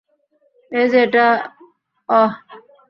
এই যে এটা, অহ!